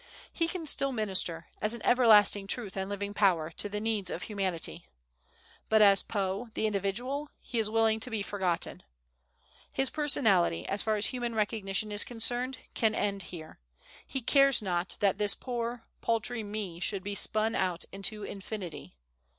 He can still minister, as an Everlasting Truth and living power, to the needs of Humanity; but as Poe, the individual, he is willing to be forgotten. His personality, as far as human recognition is concerned, can end here. He cares not that "this poor, paltry me should be spun out into Infinity."